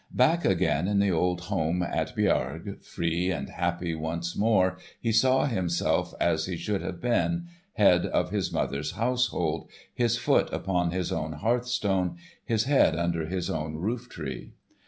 Back again in the old home at Biarg, free and happy once more he saw himself as he should have been, head of his mother's household, his foot upon his own hearthstone, his head under his own rooftree.